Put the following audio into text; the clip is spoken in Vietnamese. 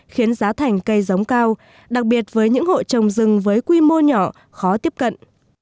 khiến giá thành cây giống cao đặc biệt với những hộ trồng rừng với quy mô nhỏ khó tiếp cận